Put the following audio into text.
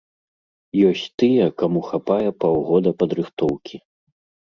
Ёсць тыя, каму хапае паўгода падрыхтоўкі.